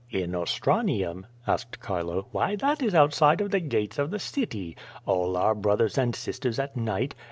"In Ostranium?'* asked Chilo. '^Why, that is outside of the gates of the city. All our brothers and sisters at night?